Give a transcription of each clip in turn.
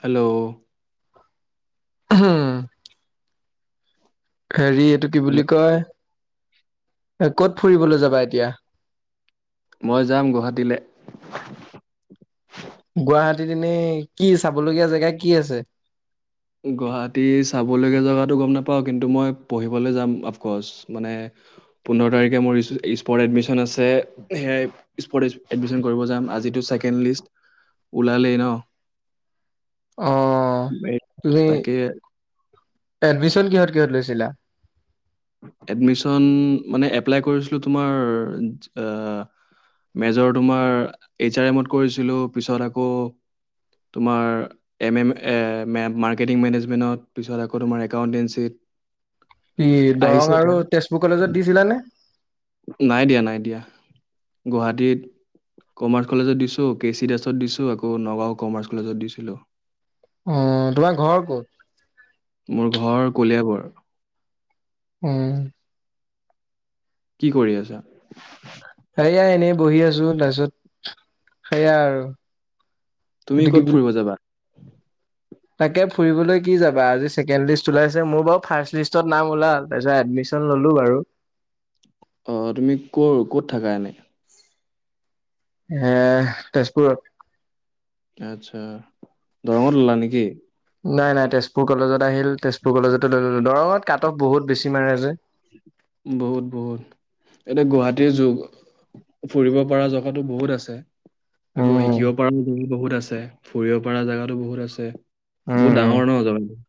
Hello. হুম হেৰি এইটো কি হেল্ল' বুলি কয়? ক'ত ফুৰিবলৈ যাবা এতিয়া? মই যাম গুৱাহাটীলৈ। গুৱাহাটীত এনে কি চাবলগীয়া জেগা কি আছে? গুৱাহাটী চাবলগীয়া জগাটো গম নাপাওঁ, কিন্তু মই পঢ়িবলৈ যাম। অফকৰ্চ মানে, পোন্ধৰ তাৰিখে মোৰ স্পৰ্ট এডমিশ্যন আছে। সেই স্পৰ্ট এডমিশ্যন কৰিব যাম। আজিটো ছেকেণ্ড লিষ্ট ওলালেই ন? অ'। বে। তাকে। এডমিশ্যন কিহত কিহত লৈছিলা? এডমিশন মানে, এপ্লাই কৰিছিলোঁ তোমাৰ আ মেজৰ তোমাৰ এইচ আৰ এমত কৰিছিলোঁ। পিছত আকৌ তোমাৰ এম এম এ মেপ মাৰ্কেটিং মেনেজমেণ্টত পিছত আকৌ তোমাৰ একাউণ্টেঞ্চিত কি আহিছে দৰং আৰু তেজপুৰ কলেজত দিছিলা নে? নাই দিয়া, নাই দিয়া গুৱাহাটীত কমাৰ্চ কলেজত দিছোঁ, কে চি দাসত দিছোঁ, আকৌ নগাঁও কমাৰ্চ কলেজত দিছিলোঁ। অ তোমাৰ ঘৰ ক'ত? মোৰ ঘৰ কলিয়াবৰ। উম কি কৰি আছা? সেয়া এনেই বহি আছোঁ। তাৰপিছত সেয়া আৰু তুমি এইটো কি ক'ত বুলি ফুৰিব যাবা? তাকে ফুৰিবলৈ কি যাবা? আজি ছেকেণ্ড লিষ্ট ওলাইছে। মোৰ বাৰু ফাৰ লিষ্টত নাম ওলাল, তাৰপিছত এডমিশ্যন ললোঁ বাৰু অ তুমি ক' ক'ত থাকা এনে? এ তেজপুৰত। আচ্ছা দৰঙত ললা নেকি? নাই নাই তেজপুৰ কলেজত। আহিল। তেজপুৰ কলেজতে লৈ ললোঁ। দৰঙত কাটঅফ বহুত বেছি মাৰেযে বহুত বহুত এতিয়া গুৱাহাটীৰ যু ফুৰিব পৰা জগাটো বহুত আছে। আকৌ উম শিকিব পাৰো বহুত আছে। ফুৰিব পৰাাল জেগাতো বহুত আছে উম বহুত উম ডাঙৰ ন জাগাটো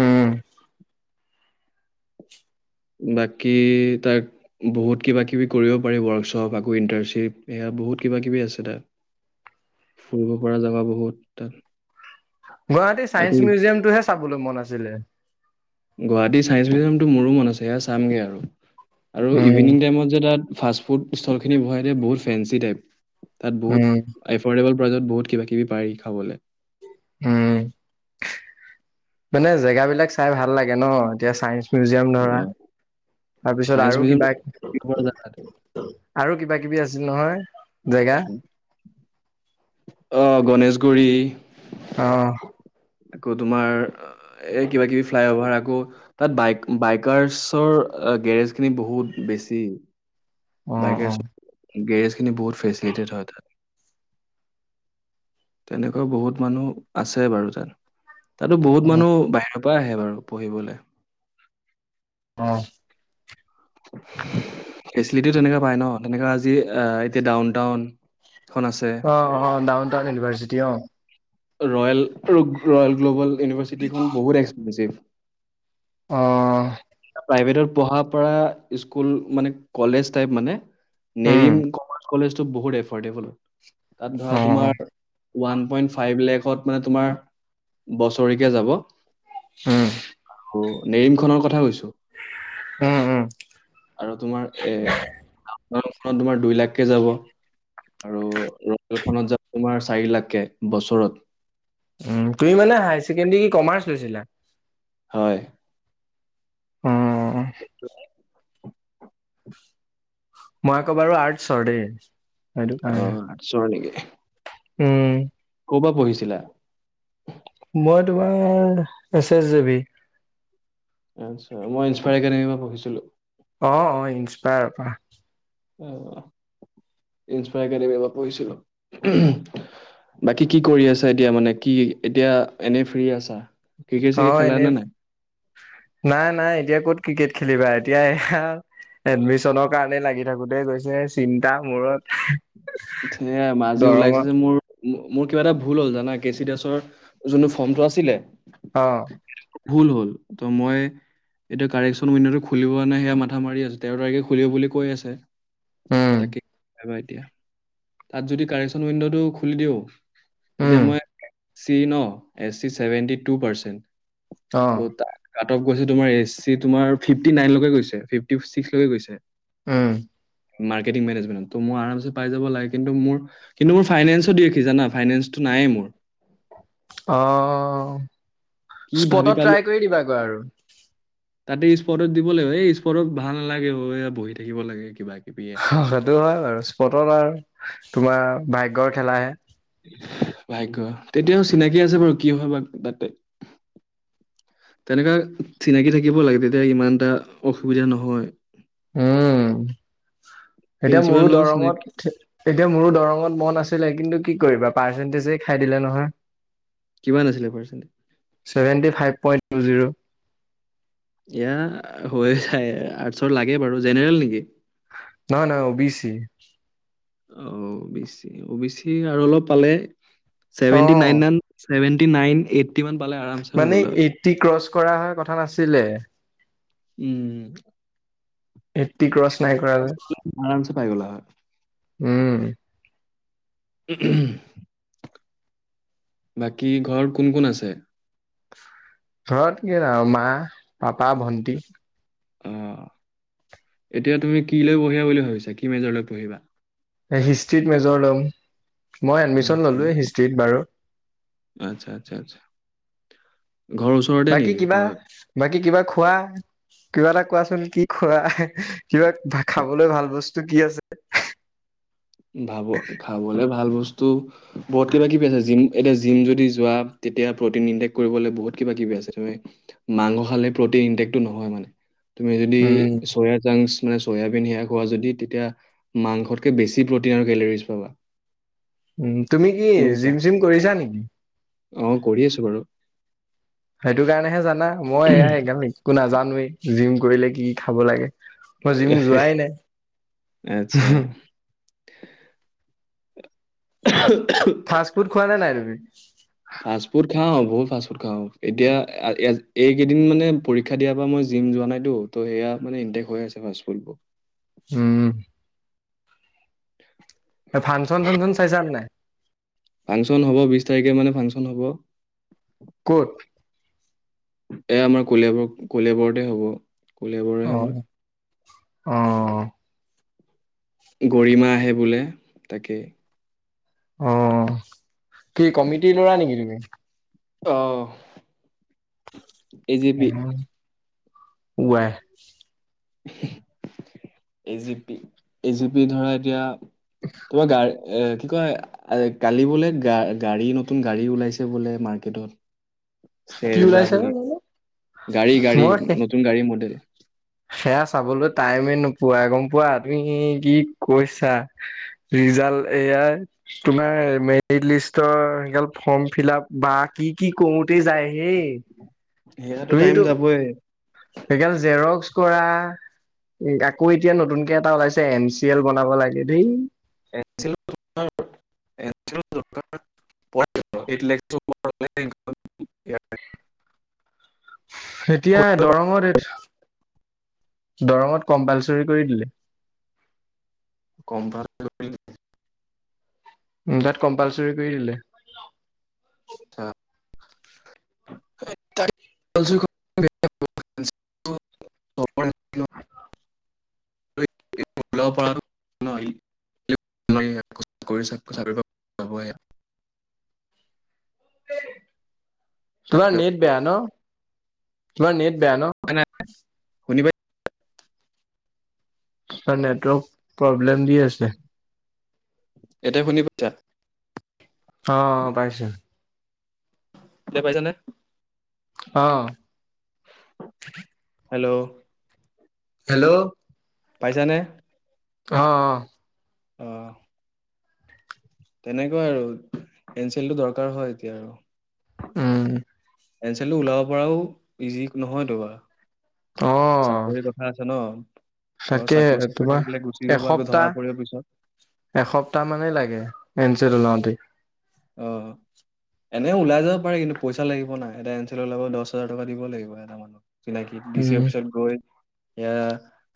উম। বাকী তাক বহুত কিবা কিবি কৰিব পাৰি ৱৰ্কশ্বপ আকৌ ইণ্টাৰ্ণশ্বিপ সেয়া বহুত কিবা কিবি আছে তাত, ফুৰিব পৰা জেগা বহুত তাত। গুৱাহাটীৰ আকৌ ছাইেন্ঞ্চ মিউজিয়ামটোহে চাবলৈ মন আছিলে। গুৱাহাটী ছাইন্ঞ্চ মিউজিয়ামতটো মোৰো মন আছে সেয়া চামগে আৰু। আৰু উম ইভিনিং টাইমত যে তাত ফাষ্টফুড ষ্টলখিনি বহাইজে বহুত ফেঞ্চি টাইপ। তাত উম বহুত এফৰ্ডেবুল প্ৰাইজত বহুত কিবা কিবি পাৰি খাবলৈ। উম মানে জেগাাবিলাক চাই ভাল লাগে ন এতিয়া চাই মিউজিয়াম ধৰা অ, তাৰপিছত চায়েন্স আৰু মিউজিয়ামটো কিবা পৰা জাগাত আৰু কিবা কিবি আছিল নহয় জেগা অ গণেশগুৰি অ আকৌ তোমাৰ। এ কিবা কিবি ফ্লাইঅভাৰ আ কৌ তাত বাই বাইকাৰছৰ গেৰেজ খিনি বহুত বেছি। অ অ। বাইকাৰ্ছ গেৰেজখিনি বহুত ফেচিলিটেড হয় তাত। তেনেকুৱা বহুত মানুহ আছে বাৰু তাত। তাতো অ বহুত মানুহ বাহিৰত পা আহে বাৰু পঢ়িবলে। অ। [unintelligible] ফেচিলিটি তেনেকুৱা পাই ন তেনেকা আজি এতিয়া ডাউনটাউন অ অ ডাউন টাউন ইউনিভাৰ্চিটি অ। ৰয়েল ৰয়েল গ্ল'বল ইউনিভাৰ্চিটিখন বহুত এক্সপেঞ্চিভ। অঅ প্ৰাইভেটত পঢ়া পৰা স্কুল মানে কলেজ টাইপ মানে উম নেৰিম কমাৰ্চ কলেজ টো বহুত এফৰ্ডেবল। তাত অ ধৰা তোমাৰ ওৱান পইণ্ট ফাইভ লেখত মানে তোমাৰ বছৰিকীয়া যাব। হম। আৰু নেৰিমখনৰ কথা কৈছোঁ। [unintelligible] উম উম আৰু তোমাৰ এ [inaudible] খত তোমাৰ দুই লাখকে যাব, আৰু ৰয়েলখনত যাব তোমাৰ চাৰি লাখকে, বছৰত। তুমি মানে হায়াৰ ছেকেণ্ডৰী কমাৰ্চ লৈছিলা? হয়। উম। [unintelligible] মই আকৌ বাৰু আৰ্টছৰ দেই। সেইটো কাৰণে অ', আৰ্টছৰ নেকি। উম। ক'পা পঢ়িছিলা?। মই তোমাৰ এচ এছ জেবি। আচ্ছা, মই ইনস্পায়াৰ এডেমি পৰা পঢ়িছিলো। অ', অ', ইনস্পায়াৰ পৰা। অ', ইনস্পায়াৰ একাডেমি পৰা পঢ়িছিলো। বাকী কি কৰি আছা এতিয়া মানে? কি এতিয়া এনেই ফ্ৰী আছা? ক্ৰিকেট চিকেট অ', খেলা নে এনেই। নাই নাই-নাই এতিয়া ক'ত ক্ৰিকেট খেলিবা এতিয়া এয়া, এডমিশনৰ কাৰণে লাগি থাকোতেই গৈছে, চিন্তা মূৰত [unintelligible] আজি ওলাইছে দৰঙত যে মোৰ মোৰ কিবা এটা ভুল হ'ল জানা, কে চি ডাছৰ যোনটো ফৰ্মটো আছিলে অ ভূল হ'ল, তো মই এতিয়া কাৰেকশ্যন উইণ্ডটো খুলিব খুলিব নাই সেয়া মাথা মাৰি আছো, তেৰ তাৰিখে খুলিব বুলি কৈ আছে। উম তাকে যাবা এতিয়া তাত যদি কাৰেকশ্যন উইণ্ড'টো খুলি দিওঁ তেতিয়া উম মই চি ন, S C seventy two percent. অ [unintelligible] টপ গৈছে তোমাৰ এছ চি তোমাৰ ফিফটি নাইনলৈকে গৈছে, ফিফটি ছিক্সলৈকে গৈছে। উম। মাৰ্কেটিং মেনেজমেনট, তো মই আৰামছে পাই যাব লাগ কিন্তু মোৰ, কিন্তু মোৰ ফাইনেন্সো দি ৰাখি জানা ফাইনেন্স অ'। কি ভাবি স্পটত পালো ট্ৰাই কৰি দিবাগৈ আৰু। [inaudible] এই স্পটত দিব লাগিব, এই স্পটত ভাল নালাগে ঐ বহি থাকিব লাগে কিবা কিবি এয়া [unintelligible] সেইটো হয় বাৰু, স্পটত আৰু তোমাৰ, ভাগ্যৰ খেলাহে। ভাগ্য, তেতিয়াও চিনাকি আছে বাৰু কি হয় বা তাতে। তেনেকুৱা চিনাকি থাকিব লাগে, তেতিয়া ইমান এটা অসুবিধা নহয়। উম, এতিয়া প্ৰিঞ্চিপালৰ মোৰো লগত চিনাকি দৰঙত, এতিয়া মোৰো দৰঙত মন আছিলে কিন্তু কি কৰিবা পাৰ্চেন্টেজেই খাই দিলে নহয়। কিমান আছিলে percentage seventy five point two zero. এয়া, হৈ যায়, আৰ্টচৰ লাগে বাৰু জেনেৰেল নেকি? নহয় নহয়, O B C. OBC, OBC আৰু অলপ পালে অ চেভেণ্টি নাইন এনে ছেভেণ্টি নাইন এইট। মানে এইটি ক্ৰচ কৰা হয়, কথা নাছিলে? উম। এইটটি ক্ৰচ নাই কৰা যে। আৰামছে পাই গ'লা হয়। উম। বাকী ঘৰত কোন কোন আছে? ঘৰত কি আৰু মা পাপা, ভণ্টি। অ, এতিয়া তুমি কি লৈ পঢ়িবা বুলি ভাবিছা। কি মেজৰলৈ পঢ়িবা? হিষ্ট্ৰীত মেজৰ লম। মই এডমিচন আচ্ছা ল'লোৱ হিষ্ট্ৰত বাৰু। আচ্ছা, আচ্ছা, আচ্ছা ঘৰৰ ওচৰতে বাকী নেকি কিবা, ঘৰ? বাকী কিবা খোৱা। কিবা এটা কোৱাচোন কি খোৱা? কিবা খাবলৈ ভাল বস্তু সেইটো কি আছে? ভাব খাবলৈ ভাল বস্তু ত। বহুত কিবা কিবি আছে জিম এতিয়া জিম যদি যোৱা তেতিয়া প্ৰটিন ইনটেক কৰিবলৈ বহুত কিবা কিবি আছে। মাংস খালে প্ৰটিন ইনটেকটো নহয় মানে। তুমি যদি উম চয়াৰা যাও মানে চয়াবিন সেয়া খোৱা যদি তেতিয়া মাংসতকে বেছি প্ৰটিন আৰু মিনাৰে পাবা। উ, তুমি কি বুজিছা জিম, চিম কৰিছা নেকি? অ, কৰি আছো বাৰু। সেইটো কাৰণেহে জানা। মই এই একদম একো নাজানো। জিম কৰিলে কি, কি খাব লাগে? মই জিম যোৱাই নাই। আচ্ছা [unintelligible] ফাষ্টফুড খোৱা নাই নাই তুমি উ ফাষ্টফুড খাওঁ বহুত ফুড খাওঁ এতিয়া এইকেইদিন মানে পৰীক্ষা দিয়াৰ পৰা মই জিম যোৱা নাইতো ত সেয়া মানে ইণ্টেক্ হৈ আছে ফাফুডবোৰ উম ফাংচন চাংচন চাইছা নাই ফাংচন হ'ব বিশ তাৰিখে মানে ফাংচন হ'ব কত এয়া আমাৰ কলিয়াবৰ কলিয়াবৰতে হ'ব কলিযাবৰেহে মই আহ গৰিমা আহে বোলে তাকেই অ কি কমিটি লৰা নেকি তুমি আহ উম উযাই এজেপি এজেপি ধৰা এতিয়া তোমাৰ গা়এ কি কয় কালি বোলে গা গাড়ী নতুন গাড়ী ওলাইছে বোলে মাৰ্কেটত। কি চেজা ওলাইছে বা বুলি, জানো গাড়ী গাড়ী মই নতুন গাড়ী মডেল। সেয়া চাবলৈ টাইমে নোপোৱাই গম পোৱা, তুমি কি কৈছা, ৰিজাল্ট এয়াৰ তোমাৰ মেৰিট লিষ্টৰ সেগাল ফৰ্ম ফিল আপ বা কি কি কৰোতে যায় হেই। সেয়াতো টাইম তুমিতো যাবই। সেইগাল জেৰক্স কৰা, আকৌ এতিয়া নতুনকে এটা ওলাইছে এন চি এল বনাব লাগে, দেই। [inaudible] এতিয়া কৰিব পাৰি। দৰঙত [unintelligible] দৰঙত কম্পালচৰি কৰি দিলে। কম ভাল [unintelligible] উম, তাত কম্পালচৰি কৰি দিলে। [inaudible] শুনি [inaudible] [inaudible] [unintelligible] তোমাৰ নেট বেয়া ন? তোমাৰ নেট বেয়া। ন নাই শুনিব [unintelligible] নেটৱৰ্ক প্রবলেম দি আছে। এতিয়া শুনি পাইছা? অ, পাইছোঁ। [unintelligible] পাইছা নে? আ। হেল্ল'। হেল্ল'। পাইছানে? অ, অ। অ। তেনেকুৱাই আৰু পেঞ্চিলটো দৰকাৰ হয় এতিয়া আৰু। উম। পেঞ্চিলটো ওলাব পৰাও ইজি নহয়তো ৱা। অ, ঘৰৰ তাকে, চাকৰি চাকৰি থাকিলে গুচি তোমাৰ যাব আকৌ ধৰা পৰিব এসপ্তাহ, পিছত এসপ্তাহ মানেই লাগে এন চি ওলাব [unintelligible] অ, এনেও ওলাই যাব পাৰি কিন্তু পইচা লাগিব না, এটা এনচেল ওলাব দচ হাজাৰ টকা দিব লাগিব এটা মানুহক। চিনাকি ডি চি উম অফিচত গৈ- এয়া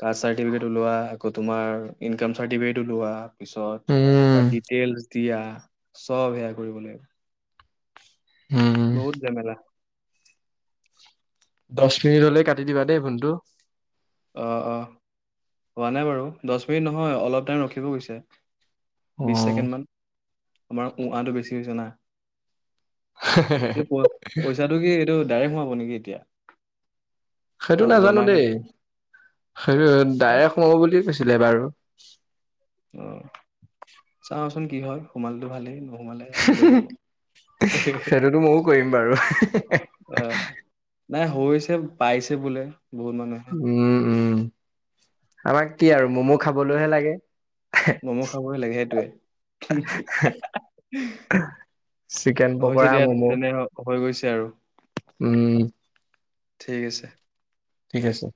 কাষ্ট চাৰ্টিফিকেট ওলোৱা, আকো তোমাৰ ইনকাম চাৰ্টিফিকেট ওলোৱা। পিছত উম তাত ডিটেইল- দিয়া- চব সেয়া কৰিব লাগিব। উম বহুত জেমেলা। দচ মিনিট হলে কাটি দিবা দেই ফোনটো। অ, অ হোৱা নাই বাৰু, দচ মিনিট নহয় অলপ টাইম ৰখিব কৈছে। বিচ অ ছেকেণ্ড মান। আমাৰ উ-আটো বেছি হৈছে জানা। এই প-পইচাটো কি এইটো ডাইৰেক্ট সোমাব? শু নেকি এতিয়া? সেইটো অ নাজানো জমাই দেই। থাকিম সেই ডাইৰেক্ সোমাব বুলি- কি কৈছিলে বাৰু? অ- চাওঁচো চোন কি হয়! সোমালতো ভালেই হয়। সেইটোতো মইও কৰিম বাৰু। অ নাই হৈছে, পাইছে বোলে। বহুত মানুহে উম- উম- আমাক কি আৰু ম'ম' খাবলৈহে লাগে। ম'ম' খাবই লাগে সেইটোৱে। চিকেন হৈছে পকৰা দিয়া ম'ম' তেনে হৈ গৈছে আৰু। উম ঠিক আছে। ঠিক আছে